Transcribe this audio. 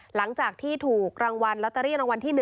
หลังจากที่ถูกรางวัลลอตเตอรี่รางวัลที่๑